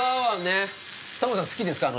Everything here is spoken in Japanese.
タモリさん好きですか？